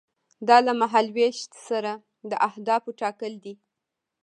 دا له مهال ویش سره د اهدافو ټاکل دي.